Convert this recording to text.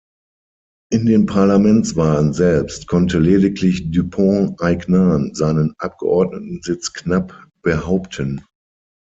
In den Parlamentswahlen selbst konnte lediglich Dupont-Aignan seinen Abgeordnetensitz knapp behaupten.